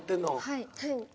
はい。